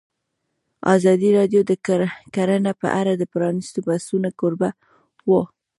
ازادي راډیو د کرهنه په اړه د پرانیستو بحثونو کوربه وه.